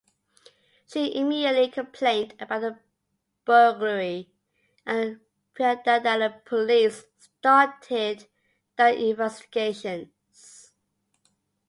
She immediately complaint about the burglary and Piliyandala police started the investigations.